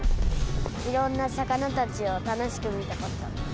いろんな魚たちを楽しく見たこと。